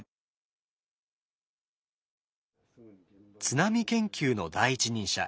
津波研究の第一人者